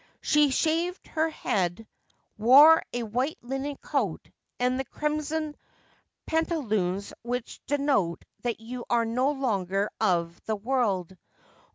She shaved her head, wore a white linen coat and the crimson pantaloons which denote that you are no longer of the world.